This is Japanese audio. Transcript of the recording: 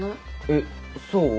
えっそう？